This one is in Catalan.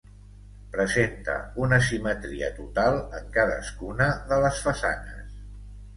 Presenta una simetria total en cadascuna de les façanes.